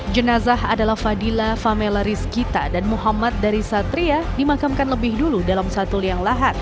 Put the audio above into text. jenazah adalah fadila famela rizkita dan muhammad dari satria dimakamkan lebih dulu dalam satu liang lahat